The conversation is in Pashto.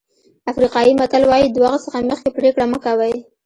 افریقایي متل وایي د وخت څخه مخکې پرېکړه مه کوئ.